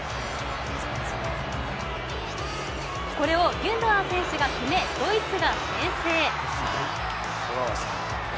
これをギュンドアン選手が決めドイツが先制。